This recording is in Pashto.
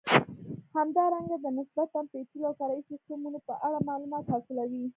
همدارنګه د نسبتا پېچلو او فرعي سیسټمونو په اړه معلومات حاصلوئ.